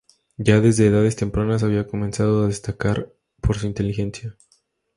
Ya desde edades tempranas había comenzado a destacar por su inteligencia.